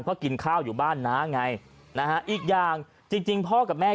เพราะกินข้าวอยู่บ้านน้าไงนะฮะอีกอย่างจริงจริงพ่อกับแม่